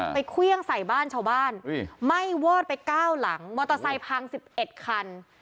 เครื่องใส่บ้านชาวบ้านไหม้วอดไป๙หลังมอเตอร์ไซค์พัง๑๑คัน